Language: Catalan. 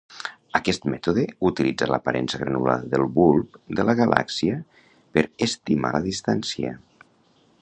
Aquest mètode utilitza l'aparença granulada del bulb de la galàxia per estimar la distància.